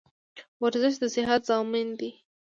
ورزش دصیحت زامین ده